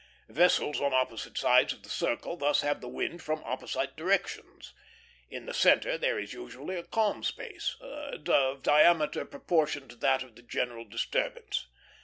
Vessels on opposite sides of the circle thus have the wind from opposite directions. In the centre there is usually a calm space, of diameter proportioned to that of the general disturbance.